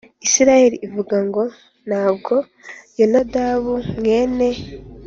Isirayeli Ivuga Ngo Ntabwo Yonadabu Mwene